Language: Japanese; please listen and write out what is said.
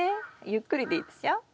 ゆっくりでいいですよ。